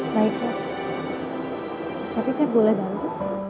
baik chef tapi saya boleh bantu